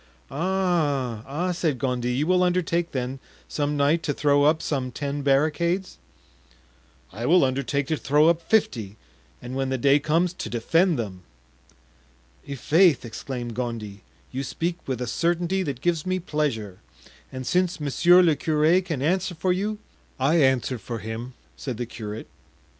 "Ah, ah," said Gondy, "you will undertake, then, some night, to throw up some ten barricades?" "I will undertake to throw up fifty, and when the day comes, to defend them." "I'faith!" exclaimed Gondy, "you speak with a certainty that gives me pleasure; and since monsieur le curé can answer for you——" "I answer for him," said the curate.